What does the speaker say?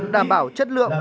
đảm bảo chất lượng